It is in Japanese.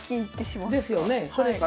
ですよね。